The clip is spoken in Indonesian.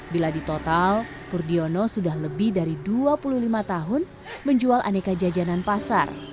bila di total pur diono sudah lebih dari dua puluh lima tahun menjual aneka jajanan pasar